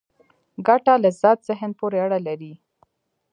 ګټه لذت ذهن پورې اړه لري.